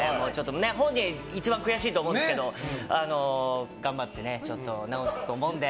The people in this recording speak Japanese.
本人が一番悔しいと思うんですけれど頑張って治すと思うんで。